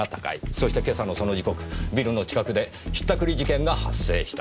そして今朝のその時刻ビルの近くで引ったくり事件が発生した。